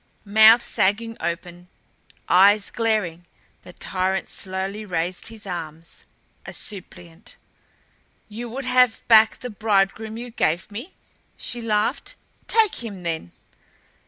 Mouth sagging open, eyes glaring, the tyrant slowly raised his arms a suppliant. "You would have back the bridegroom you gave me?" she laughed. "Take him, then."